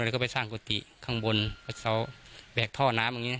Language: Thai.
แล้วก็ไปสร้างกุฏิข้างบนกระเสาแบกท่อน้ำอย่างนี้